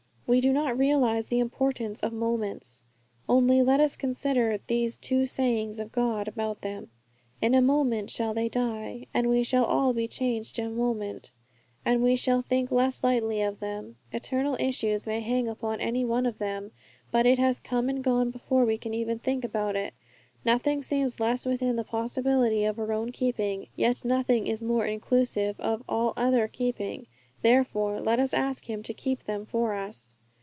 We do not realize the importance of moments. Only let us consider those two sayings of God about them, 'In a moment shall they die,' and, 'We shall all be changed in a moment,' and we shall think less lightly of them. Eternal issues may hang upon any one of them, but it has come and gone before we can even think about it. Nothing seems less within the possibility of our own keeping, yet nothing is more inclusive of all other keeping. Therefore let us ask Him to keep them for us.